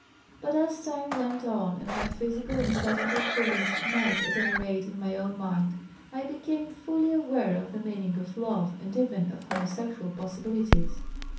"But as time went on and my physical and psychical feelings met, at any rate in my own mind, I became fully aware of the meaning of love and even, of homosexual possibilities.